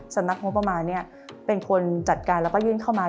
สำนักงบประมาณเป็นคนจัดการแล้วก็ยื่นเข้ามา